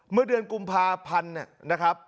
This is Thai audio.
เมื่อเดือนกุมภาพันธ์นะครับ